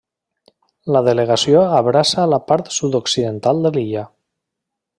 La delegació abraça la part sud-occidental de l'illa.